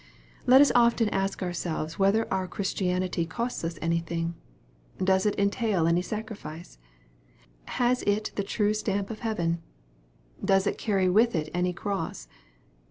Let us often ask ourselves whether our Christianity costs us anything ? Does it entail any sacrifice ? Has it the true stamp of heaven ? Does it carry with it any cross